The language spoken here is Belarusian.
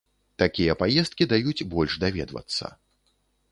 Такія паездкі даюць больш даведвацца.